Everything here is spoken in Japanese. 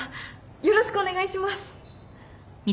よろしくお願いします！